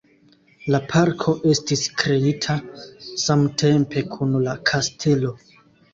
La parko estis kreita samtempe kun la kastelo.